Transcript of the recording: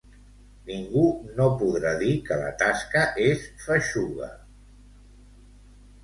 Ningú no podrà dir que la tasca és feixuga….